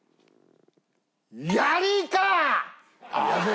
やりいか！